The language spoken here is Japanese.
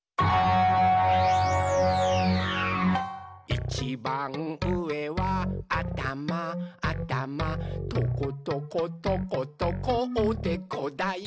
「いちばんうえはあたまあたまトコトコトコトコおでこだよ！」